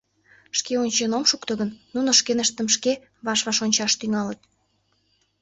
Шке ончен ом шукто гын, нуно шкеныштым шке ваш-ваш ончаш тӱҥалыт.